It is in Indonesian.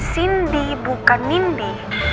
cindy bukan nindi